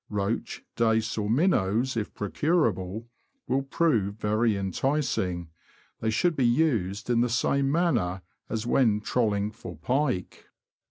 Roach, dace, or minnows, if procurable, will prove very enticing; they should be used in the same manner as when trolling for pike.